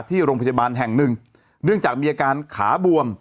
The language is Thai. ที่โรงพยาบาลแห่งหนึ่งเนื่องจากมีอาการขาบวม